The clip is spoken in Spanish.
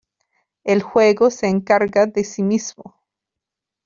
El juego se encarga de sí mismo.